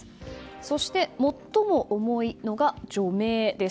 そして、最も重いのが除名です。